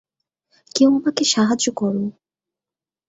কেউ আমাকে সাহায্য করো!